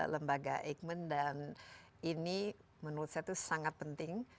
lembaga eijkman dan ini menurut saya itu sangat penting